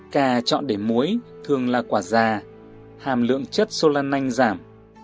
cà chọn để muối thường là quả già hàm lượng chất solan giảm